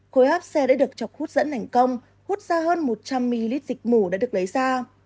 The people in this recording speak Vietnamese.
khối áp xe đã được chọc hút dẫn thành công hút ra hơn một trăm linh ml dịch mổ đã được lấy ra